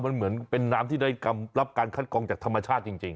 มันเหมือนเป็นน้ำที่ได้รับการคัดกองจากธรรมชาติจริง